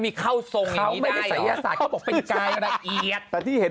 มีข้าวใส่อาสารเหรอ